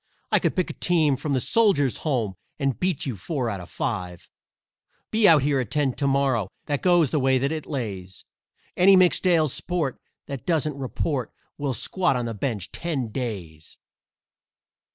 I could pick a team from the Soldiers' Home And beat you four out of five. Be out here at ten to morrow That goes the way that it lays; Any mixed ale sport that doesn't report Will squat on the bench ten days!"